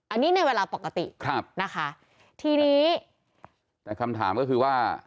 อันนี้ในเวลาปกติครับนะคะทีนี้แต่คำถามก็คือว่า